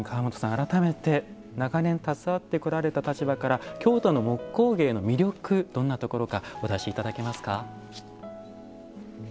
改めて、長年携われてこられた立場から京都の木工芸の魅力どんなところかお出しいただけますか。